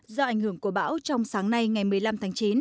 do ảnh hưởng của bão trong sáng nay ngày một mươi năm tháng chín